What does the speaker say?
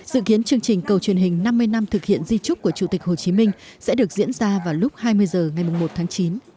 dự kiến chương trình cầu truyền hình năm mươi năm thực hiện di trúc của chủ tịch hồ chí minh sẽ được diễn ra vào lúc hai mươi h ngày một tháng chín